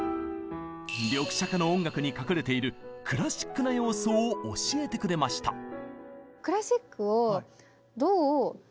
リョクシャカの音楽に隠れているクラシックな要素を教えてくれました。